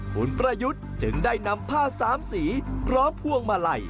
คุณประยุทธ์จึงได้นำผ้าสามสีพร้อมพวงมาลัย